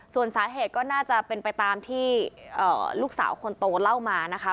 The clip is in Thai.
ส่วนสาเหตุก็น่าจะเป็นไปตามที่ลูกสาวคนโตเล่ามานะคะ